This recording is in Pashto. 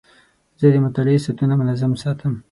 زه د مطالعې ساعتونه منظم ساتم.